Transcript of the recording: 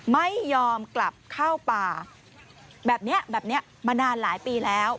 ไม่ยอมกลับเข้าป่าแบบนี้แบบนี้มานานหลายปีแล้ว